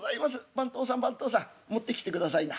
番頭さん番頭さん持ってきてくださいな。